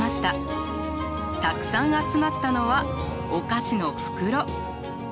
たくさん集まったのはお菓子の袋！